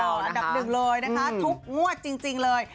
อันดับหนึ่งเลยนะคะทุกงวดจริงเลย